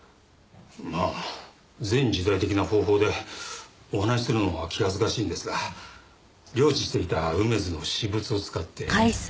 まあ前時代的な方法でお話しするのは気恥ずかしいんですが領置していた梅津の私物を使って。